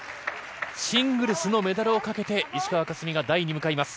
シングルスのメダルをかけて石川佳純が台に向かいます。